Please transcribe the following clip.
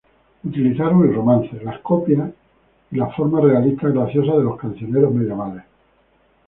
Utilizaron el romance, las copias y las formas realistas graciosas de los cancioneros medievales.